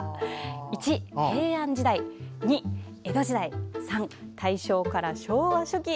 １、平安時代２、江戸時代３、大正から昭和初期。